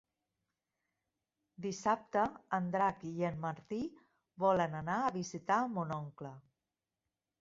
Dissabte en Drac i en Martí volen anar a visitar mon oncle.